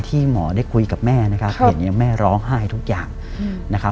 ที่หมอได้คุยกับแม่เห็นแม่ร้องไห้ทุกอย่าง